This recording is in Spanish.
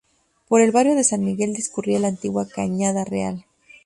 Por el Barrio de San Miguel discurría la antigua Cañada Real.